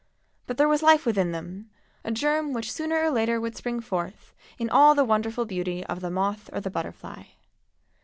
But there was life within them, a germ which sooner or later would spring forth in all the wonderful beauty of the moth or the butterfly.